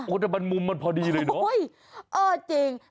โอ้แต่บรรมุมมันพอดีเลยเนอะโอ้เออจริง